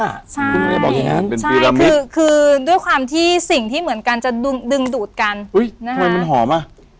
ใช่คือด้วยความที่สิ่งที่เหมือนกันจะดึงดูดกันอุ้ยทำไมมันหอมอ่ะ